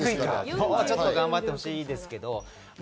もうちょっと頑張ってほしいですけど。